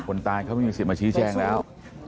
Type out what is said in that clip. คนตายเขาไม่มีสิทธิ์มาชี้แจงแล้ว